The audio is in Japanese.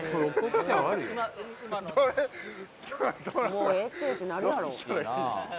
「もうええってってなるやろ」